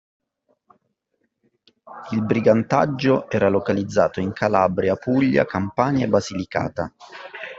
Il brigantaggio era localizzato in Calabria, Puglia, Campania e Basilicata